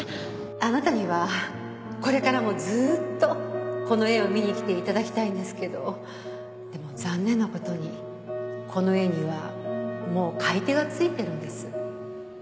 あなたにはこれからもずっとこの絵を見にきていただきたいんですけどでも残念な事にこの絵にはもう買い手が付いてるんです。